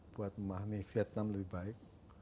buat memahami vietnam lebih baik